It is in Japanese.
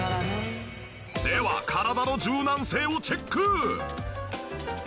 では体の柔軟性をチェック！